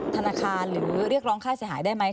ธนาคารหรือเรียกร้องค่าเสียหายได้ไหม